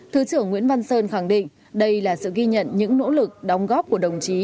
thứ trưởng nguyễn văn sơn khẳng định đây là sự ghi nhận những nỗ lực đóng góp của đồng chí